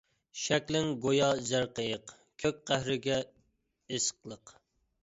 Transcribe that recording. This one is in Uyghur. شەكلىڭ گويا زەر قېيىق، كۆك قەھرىگە ئېسىقلىق.